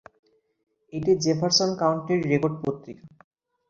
এটি জেফারসন কাউন্টির রেকর্ড পত্রিকা।